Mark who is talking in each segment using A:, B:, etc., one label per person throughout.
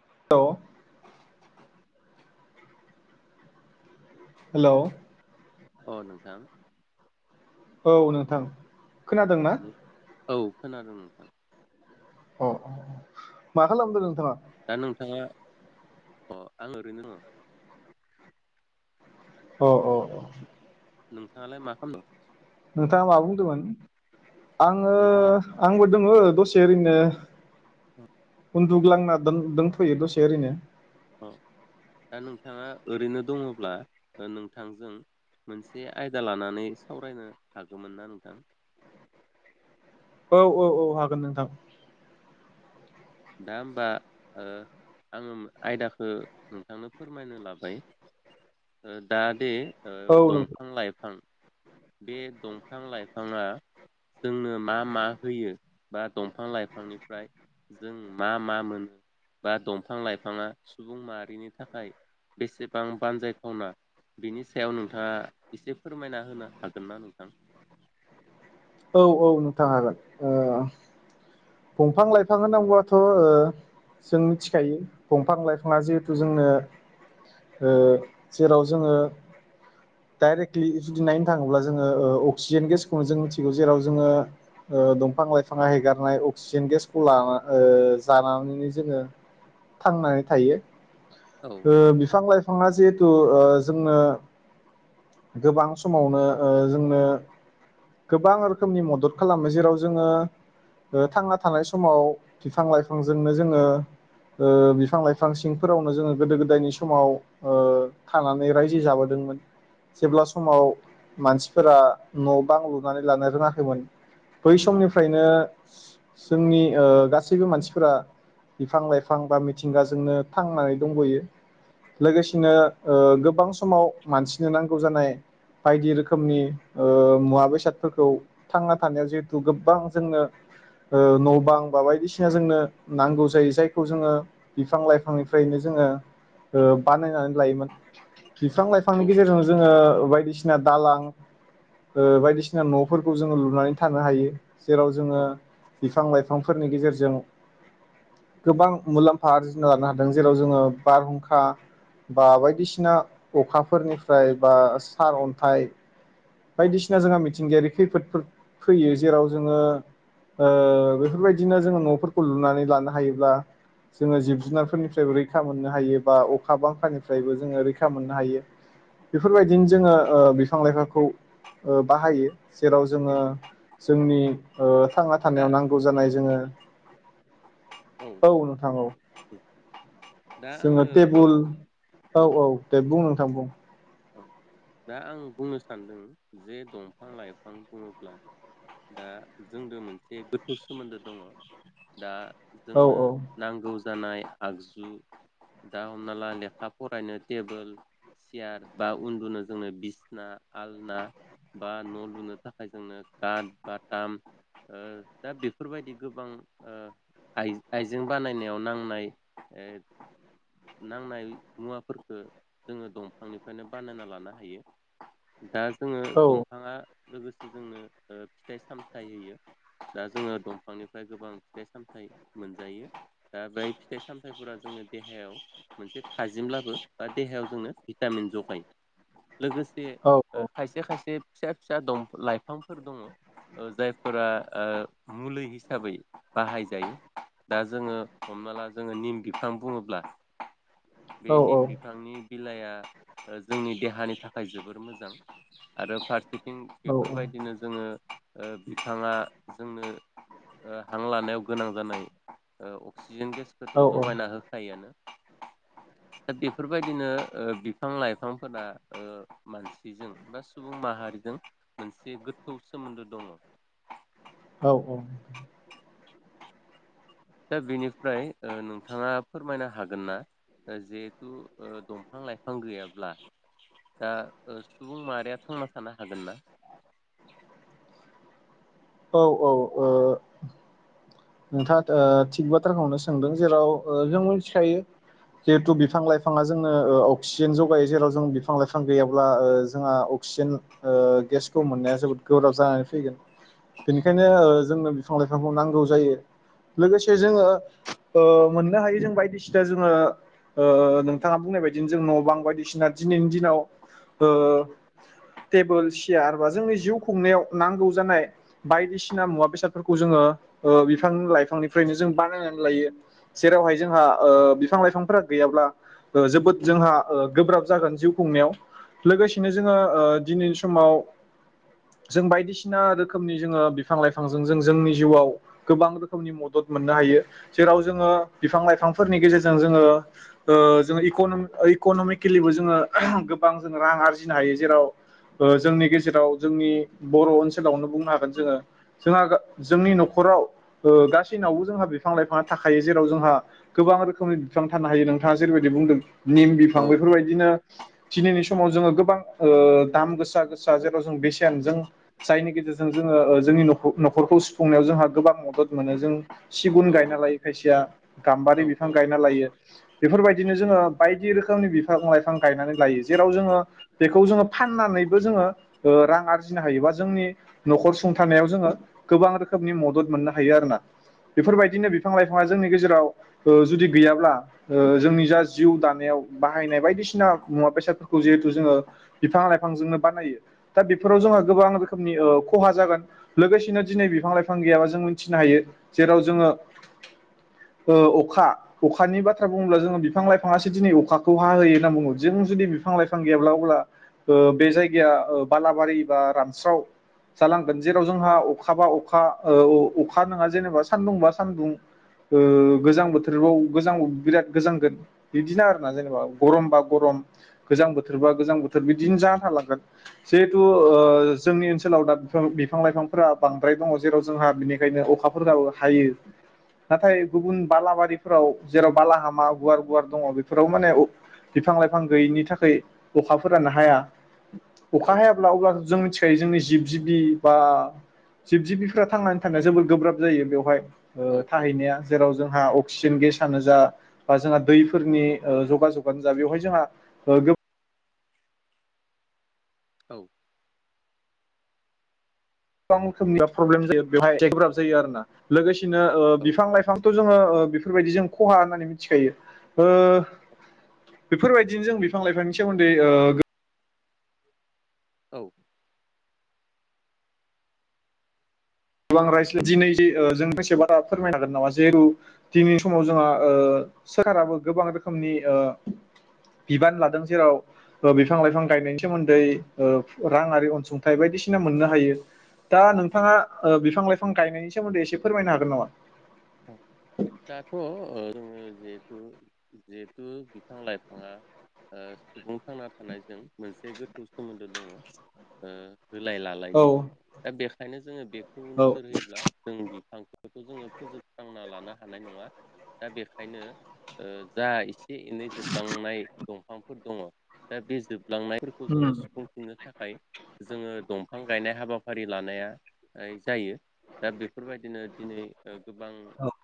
A: [unintelligible] हेल'
B: अ नोंथां
A: औ नोंथां खोनादोंना?
B: औ खोनादों नोंथां
A: अ मा खालामदों नोंथाङा
B: दा नोंथाङा अ आं ओरैनो दङ
A: अ अ अ
B: नोंथाङालाय मा खालामदों?
A: नोंथाङा मा बुंदोंमोन? आङो
B: नोंथाङा
A: आंबो दोङो। दसे ओरैनो
B: [inaudible]
A: उन्दुग्लांना दों-दोंथयो दसे ओरैनो।
B: अ दा नोंथाङा ओरैनो दङब्ला ओ नोंथांजों मोनसे आयदा लानानै सावरायनो हागौमोन ना नोंथां?
A: औ औ औ हागोन नोंथां।
B: दा होमबा ओ आङो आयदाखौ नोंथांनो फोरमायनो लाबाय ओ दा दे ओ
A: औ नोंथां
B: दंफां लाइफां बे दंफां लाइफाङा जोंनो मा मा होयो बा दंफां लाइफांनिफ्राय जों मा मा मोनो बा दंफां लाइफाङा सुबुं माहारिनि थाखाय बेसेबां बानजायथावना बिनि सायाव नोंथाङा एसे फोरमायना होनो हागोन ना नोंथां?
A: औ औ नोंथां हागोन। ओ दंफां लाइफां होनांगौआथ' ओ जों मिथिखायो दंफां लाइफाङा जिहेथु जोंनो ओ जेराव जोङो डायरेक्टलि जुदि नायनो थाङोब्ला ओ जोङो अक्सिजेन गेसखौनो जों मिथिगौ जेराव जोङो दंफां लाइफाङा एगारनाय अक्सिजेन गेसखौ लाना ओ जानानैनो जोङो थांनानै थायो।
B: औ
A: ओ बिफां लाइफां बिफाङा जिहेथु ओ जोंनो गोबां समावनो ओ जोंनो गोबां रोखोमनि मदद खालामो जेराव जोङो ओ थांना थानाय समाव बिफां लाइफांजोंनो जोङो ओ बिफां लाइफां सिंफोरावनो जोङो गोदो गोदायनि समाव ओ थानानै रायजो जाबोदोंमोन। जेब्ला समाव मानसिफोरा न' बां लुनानै लानो रोङाखैमोन। बै समनिफ्रायनो जोंनि ओ गासैबो मानसिफोरा बिफां लाइफां बा मिथिंगाजोंनो थांनानै दंबोयो लोगोसेनो ओ गोबां समाव मानसि नो नांगौ जानाय बायदि रोखोमनि ओ मुवा बेसादफोरखौ थांना थानायाव जिहेथु गोबां जोंनो ओ न' बां बा बायदिसिना जोंनो नांगौ जायो जायखौ जोङो बिफां लाइफांनिफ्रायनो जोङो ओ बानायनानै लायोमोन बिफां गेजेरजों जोङो बायदिसिना दालां ओ बायदिसिना न'फोरखौ जोङो लुनानै थानो हायो जेराव जोङो
B: औ
A: बिफां लाइफांफोरनि गेजेरजों गोबां मुलाम्फा आरजिना लानो हादों जेराव जोङो बारहुंखा बा बायदिसिना अखाफोरनि ओमफ्राय बा सार अन्थाइ बायदिसिना जोंहा मिथिंगायारि खैफोदफोर फैयो जेराव जोङो ओ बेफोरबायदिनो जोङो न'फोरखौ लुनानै लानो हायोब्ला जोङो जिब जुनारफोरनिफ्रायबो रैखा मोननो हायो बा अखा बांखानिफ्रायबो जोङो रैखा मोननो हायो। बेफोरबायदिनो जोङो ओ बिफां लाइफांखौ ओ बाहायो। जेराव
B: औ
A: जोङो जोंनि ओ थांना
B: दा
A: थानायाव नांगौ जानाय जोङो औ नोंथां औ
B: दा
A: जोङो
B: आङो
A: टेबोल औ औ दे बुं [unintelligible]
B: दा आं बुंनो सानदों जे दंफां लाइफां बुङोब्ला दा जोंदो मोनसे गोथौ सोमोन्दो दङ। दा
A: औ
B: जोंनो
A: औ
B: नांगौ दानाय आगजु दा हमना ला लेखा फरायनो टेबोल सियार बा उन्दुनो जोंनो बिसना आलना बा न' लुनो थाखाय जोंनो काट बाथाम ओ दा बेफोरबायदि गोबां ओ आय-आयजें बानायनायाव नांनाय ओ नांनाय मुवाफोरखौ जोङो दंफांनिफ्रायनो बानायना लानो हायो। दा जोङो
A: औ
B: दंफाङा लोगोसे जोंनो ओ फिथाइ सामथायाइ होयो दा जोङो दंफांनिफ्राय गोबां फिथाइ सामथाइ मोनजायो दा बे फिथाइ सामथाइफोरा जोंनो देहायाव मोनसे थाजिमब्लाबो बा देहायाव जोंनो भिटामिन जगायो। लोगोसे
A: औ
B: खायसे खायसे फिसा फिसा दं लाइफ। बिफांफोर दङ जायफोरा ओ मुलि हिसाबै बाहाय जायो दा जोंङो हमना ला जोङो निम। बिफां बुङोब्ला।
A: औ
B: बे निम बिफांनि। बिलायआ जोंनि देहा। देहानि थाखाय जोबोर मोजां आरो फा ओं
A: औ
B: बेफोरबायदिनो जोङो। बिफाङा जोंनो हां लानायाव गोनां जानाय अक्सि अक्सिजेन गेसखौथ' जगायना
A: औ
B: होखायोआनो। दा बेफोरबायदिनो ओ बिफां लाइफांफोरा। ओ मानसिजों बा सुबुं माहारिजों मोनसे गोथौ सोमोन्दो दङ।
A: औ औ।
B: दा बेनिफ्राय नोंथाङा फोरमायनो हागोन ना जिहेथु दंफां लाइफां गैयाब्ला दा सुबुं माहारिया थांना थानो हागोन ना।
A: औ औ ओ। नोंथाङा ओ थिग बाथ्राखौनो सोंदों जेराव ओ जों मिनथिखायो जिहेथु बिफां लाइफाङा जोंनो ओ अक्सिजेन जगायो जेराव जों बिफां लाइफां गैयाब्ला ओ जोंहा अक्सिजेन ओ गेसखौ मोननाया जोबोद गोब्राब जानानै फैगोन बेनिखायनो ओ जोंनो बिफां लाइफांखौ नांगौ जायो। लोगोसे जोङो ओ मोननो हायो जों बायदिसिना जोङो ओ नोंथाङा बुंनाय बायदि जों न' बां बायदिसिना दिनैनि दिनाव ओ टेबोल सियार बा जोंनि जिउ खुंनायाव नांगौ जानाय बायदिसिना मुवा बेसादफोरखौ जोङो ओ बि बिफां लाइफांनिफ्रायनो जों बानायनानै लायो जेरावहाय जोंहा ओ बिफां लाइफांफोरा गैयाब्ला जोबोद जोंहा ओ गोब्राब जागोन जिउ खुंनायाव लोगोसेनो जोङो ओ दिनैनि समाव जों बायदिसिना रोखोमनि जोङो बिफां लाइफांजों जों जोंनि जिउआव। गोबां रोखोमनि मदद मोननो हायो जेराव जोङो बिफां लाइफांफोरनि गेजेरजों जोङो ओ जोंङो इक'नमिकेलिबो जोङो गोबां जों रां आरजिनो हायो जेराव ओ जोंनि गेजेराव जोंनि बर' ओनसोलावनो बुंनो हागोन जोङो जोंहा जोंनि न'खराव। ओ गासैनावबो जोंहा बिफां लाइफाङा थाखायो जेराव जोंहा गोबां रोखोमनि बिफां थानो हायो नोंथाङा जेरैबायदि बुंदों। निम बिफां
B: औ
A: बेफोरबायदिनो। दिनैनि समाव जोङो गोबां ओ दाम गोसा गोसा जेराव जों बेसेन जों जायनि गेजेरजों जोङो ओ जोंनि न'खरखौ सुफुंनायाव जोंहा गोबां मद मदद मोनो जों सिगुन
B: औ
A: गायना लायो
B: नोंथां
A: खायसेया। गाम्बारि
B: औ
A: बिफां
B: औ
A: गायना लायो। बेफोरबायदिनो जोङो बायदि रोखोमनि बिफां लाइफां गायनानै लायो जेराव जोङो बेखौ जोङो फाननानैबो जोङो रां आरजिनो हायो बा जोंनि न'खर सुंथानायाव जोङो गोबां रोखोमनि मदद मोननो हायो। थायो आरोना
B: औ
A: बेफोरबायदिनो बिफां लाइफांआ जोंनि गेजेराव ओ जुदि गैयाब्ला ओ जोंनि जा जिउ दानायाव बाहायनाय बायदिसिना मुवा बेसादफोरखौ जिहेथु जोङो बिफां लाइफांजोंनो बानायो। दा बेफोराव जोंहा गोबां। खहा जागोन लोगोसेनो दिनै बिफां लाइफां गैयाबा जों। नो हायो जेराव जोङो ओ अखा अखानि बाथ्रा बुङोब्ला जोङो बिफां लाइफाङासो दिनै अखाखौ हा होयो होनना बुङो जों जुदि बिफां लाइफां गैयाब्ला अब्ला ओ बे जायगाया बालाबारि बा रानस्राव जालांगोन जेराव जोंहा अखा बा अखा ओ। खा नङा जेनेबा सानदुं बा सानदुं ओ गोजां बोथोराव गोजां बिराद गोजांगोन बिदिनो आरोना जेनेबा गरमबा गरम गोजां बोथोरबा गोजां बोथोर बिदिनो जाफालांगोन जिहेथु ओ जोंनि ओनसोलाव दा बिफां लाइफांफोरा बांद्राय दङ जेराव जोंहा बिनि। बेखायनो अखाफोराबो हायो नाथाय गुबुन बालाबारिफोराव जेराव बालाहामा गुवार गुवार दङ बेफोराव माने बिफां लाइफां गैयिनि थाखाय अखाफोरानो हाया।
B: औ
A: अखा हायाब्ला अब्ला जों मिथिखायो जोंनि। जिब जिबि बा जिब जिबिफ्रा थांनानै। थांनाया जोबोद गोब्राब जायो बेवहाय। ओ
B: औ
A: थाहैनाया जेराव जोंहा अक्सिजेन गेस। फांनो जा बा जोंहा दैफोरनि ओ जगा जगानो जा बेवहाय जोंहा गो
B: औ।
A: गोबां रोखोमनि प्रब्लेम जायो बेवहाय गोब्राब जायो आरोना लोगोसे। बिदिनो ओ बिफां
B: औ
A: लाइफां। जोङो ओह बेफोरबायदि जों खहा होननानै मिथिखायो ओह बेफोरबायदिनोजों बिफां लाइफांनि सोमोन्दै ओह।
B: औ।
A: गोबां [unintelligible] दिनै ओह जों फंसे बाथ्रा फोरमायनो हागोन नामा जिहेथु दिनैनि समाव जोंहा ओह सोरखाराबो गोबां रोखोमनि ओह बिबान लादों जेराव ओह बिफां लाइफां गायनायनि सोमोन्दै ओह रां आरि अनसुंथाइ बायदिसिना मोननो हायो दा नोंथाङा। ओह बिफां लाइफां गायनायनि सोमोन्दै एसे फोरमायनो हागोन नामा।
B: दाथ' ओ जोङो जिहेथु जिहेथु बिफां लाइफाङा ओह सुबुं थांना थानायजों मोनसे गोथौ सोमोन्दो दङ ओह। होलाय
A: औ
B: लालायनि दा बेख खायनो जोङो बेख खौ
A: औ
B: नोजोर होयोब्ला जों बिफांखौ जोङो। [unintelligible] ना लानो हानाय नङा दा बेखायनो ओह जा एसे एनै जोबलांनाय दंफांफोर दङ दा बे जोब लांनायफोरखौ
A: उम
B: जोङो सुफुंफिननो थाखाय। जोङो दंफां गायनाय हाबाफारि लानाया जायो दा बेफोरबायदिनो दिनै। ओह गोबां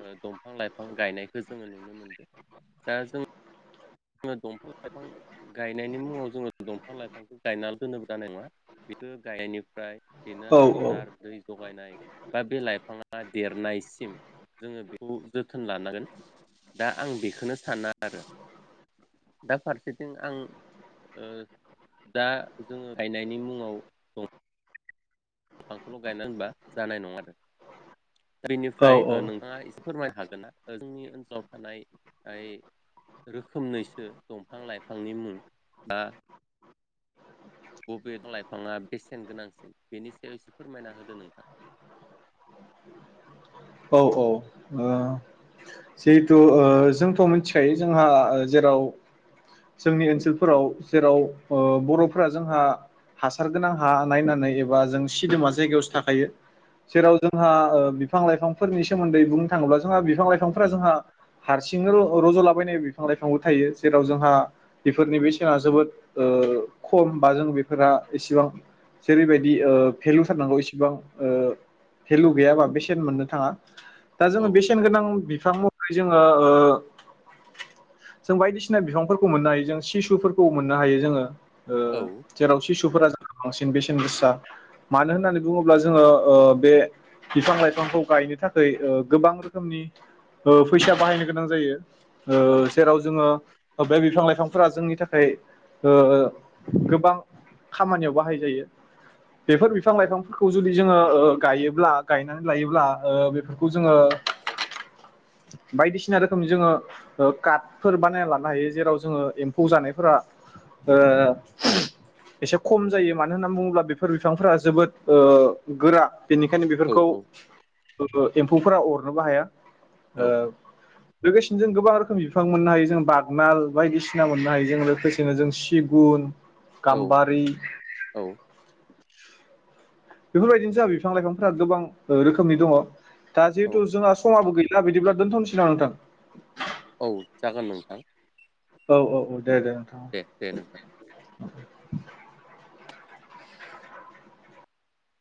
B: ओह दंफां लाइफां गायनायखो जोङो नुनो मोनदो दा जों। ङो दंफां लाइफां गायनायनि मुङाव जोङो दंफां लाइफांखो गायनाल दोनोबा जानाय नङा बेखो गायनायनिफ्राय। बेनो
A: औ
B: हासार दै। जगायनाय बा बे लाइफाङा देरनायसिम जोङो बेखौ जोथोन लानांगोन दा आं बेखोनो सानाआरो। दा फारसेथिं आं ओह दा जोङो गायनायनि मुङाव दं दंफांखोल गायनानै दोनबा जानाय नङाआरो। दा
A: औ
B: इनिफ्राय ओह नोंथाङा इस फोरमाय हागोना जोंनि ओनसोलाव थानाय याय रोखोमनैसो दंफां लाइफांनि मुं बा। बबे द लाइफाङा बेसेन गोनांसिन बेनिसायाव एसे फोरमायना होदो नोंथां।
A: औ औ। जिहेथु ओह जोंथ मोनथिखायो जोंहा ओह जेराव जोंनि ओनसोलफोराव जेराव ओह बरफोरा जोंहा हासार गोनां हा नायनानै एबा जों सिदोमा जायगायावसो थाखायो जेराव जोंहा ओह बिफां लाइफांफोरनि सोमोन्दै बुंनो थाङोब्ला जोंहा बिफां लाइफां। बिफांफोरा जोंहा हारसिंनो र रजलाबायनाय बिफां लाइफांबो थायो जेराव जोंहा बेफोरनि बेसेना जोबोद ओह खम बा जों बेफोरा एसेबां जेरैबायदि ओह भेलु थारनांगौ इसेबां ओह भेलु गैयाबा बा बेसेन मोननो थाङा। दा
B: औ
A: जोङो बेसेनगोनां। बिफां महरै जोङो ओह जों बायदिसिना बिफांफोरखौ मोननोहायो जों सिसुफोरखौ मोननोहायो जोङो। ओह
B: औ
A: जेराव सिसु सुफोरा जोंहा बांसिन बेसेन गोसा मानो होननानै बुङोब्ला जोङो ओह बे बिफां लाइफांखौ गायनो थाखै गोबां रोखोमनि। ओह फैसा बाहायनो गोनां जायो।
B: औ
A: ओह जेराव जोङो। ओह बे बिफां लाइफांफोरा जोंनि थाखाय ओह गोबां खामानियाव बाहाय जायो। बेफोर बिफां
B: औ
A: लाइफांफोरखौ जुलि। जोङो ओह गायोब्ला गायनानै लायोब्ला ओह बेफोरखौ जोङो। बायदिसिना रोखोमनि जोङो ओह काटफोर बानायना लानोहायो जेराव जोङो एम्फौ जानायफोरा ओह एसे खमजायो मानो होननानै बुङोब्ला बेफोर बिफांफोरा जोबोद ओह गोरा। बेनिखायनो
B: औ
A: बेफोरखौ
B: औ
A: ओ एम फौफोरा अरनोबोहाया।
B: औ
A: ओ। लोगोसेनो जों गोबां रोखोमनि बिफां मोननोहायो जोंङो बागनाल बायदिसिना मोननोहायो जोंङो लोखोसेनो जोंङो सिगुन।
B: औ
A: गामबारि। [inaudible]
B: औ
A: बेफोरबायदिनो जोंहा बिफां लाइफांफोरा गोबां रोखोमनि दङ। दा
B: औ
A: जिहेथु जोंहा समाबो गैला बिदिब्ला दोनथ'नोसै नामा नोंथां?
B: औ जागोन नोंथां।
A: औ औ औ दे दे नोंथां औ।
B: दे नोंथां।